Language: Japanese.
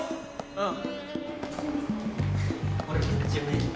うん。